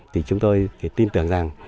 thì chúng tôi tin tưởng rằng